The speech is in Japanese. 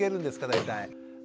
大体。